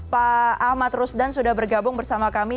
pak ahmad rusdan sudah bergabung bersama kami